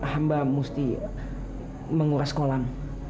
hamba mesti menguras kolam